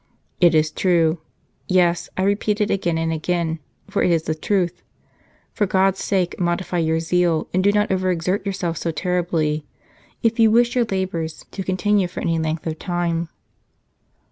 It is true. Yes, I repeat it again and again, for it is the truth. For God s sake modify your zeal and do not overexert yourself so terribly, if you wish your labours to continue for any length of time."